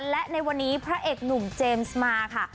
และในวันนี้พระเอกหนุ่มเจมส์มาค่ะ